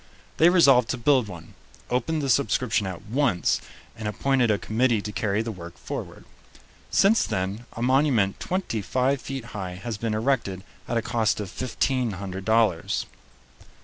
They resolved to build one, opened the subscription at once, and appointed a committee to carry the work forward. Since then a monument twenty five feet high has been erected at a cost of fifteen hundred dollars.